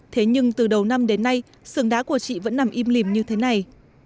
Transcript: thế nhưng từ đầu năm đến nay sườn đá của chị vẫn nằm im lìm như thế này